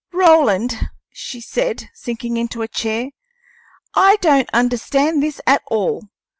"Roland," she said, sinking into a chair, "I don't understand this at all.